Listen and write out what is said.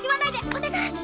お願い！